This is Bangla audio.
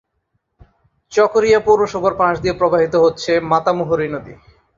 চকরিয়া পৌরসভার পাশ দিয়ে প্রবাহিত হচ্ছে মাতামুহুরী নদী।